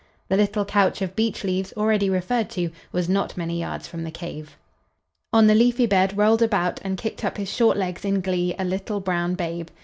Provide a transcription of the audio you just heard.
The little couch of beech leaves already referred to was not many yards from the cave. On the leafy bed rolled about and kicked up his short legs in glee a little brown babe.